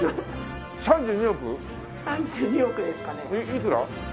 いくら？